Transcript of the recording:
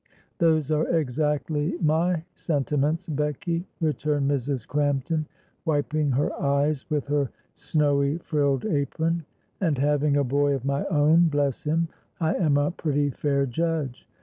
"Those are exactly my sentiments, Becky," returned Mrs. Crampton, wiping her eyes with her snowy frilled apron, "and having a boy of my own, bless him, I am a pretty fair judge.